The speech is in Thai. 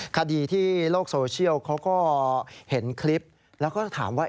คดีที่โลกโซเชียลเขาก็เห็นคลิปแล้วก็ถามว่า